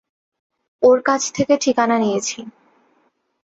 ওর কাছ থেকে ঠিকানা নিয়েছি।